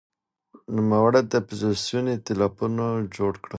نوموړي د اپوزېسیون ائتلافونه جوړ کړل.